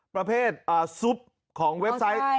ประเภทซุปของเว็บไซต์